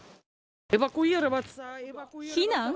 避難？